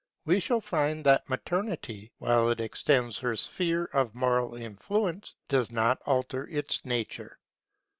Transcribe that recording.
We shall find that maternity, while it extends her sphere of moral influence, does not alter its nature.